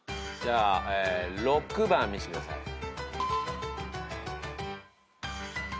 じゃあ６番見してください。